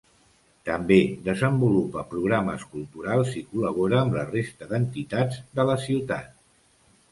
També desenvolupa programes culturals i col·labora amb la resta d'entitats de la ciutat.